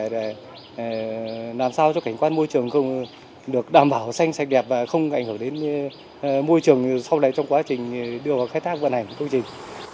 để làm sao cho cảnh quan môi trường không được đảm bảo xanh sạch đẹp và không ảnh hưởng đến môi trường sau này trong quá trình đưa vào khai thác vận hành của công trình